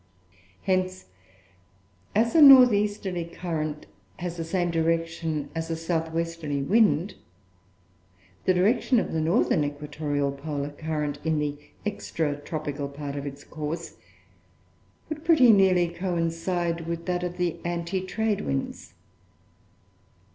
Hence, as a north easterly current has the same direction as a south westerly wind, the direction of the northern equatorial polar current in the extra tropical part of its course would pretty nearly coincide with that of the anti trade winds.